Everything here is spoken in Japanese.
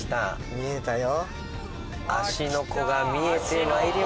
見えたよ。